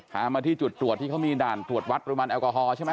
มาที่จุดตรวจที่เขามีด่านตรวจวัดปริมาณแอลกอฮอลใช่ไหม